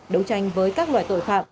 đấu tranh với các loài tội phạm